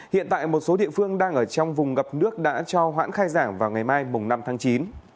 hiện tại một số địa phương đang ở trong vùng ngập nước đã cho hoãn khai giảng vào ngày mai năm tháng chín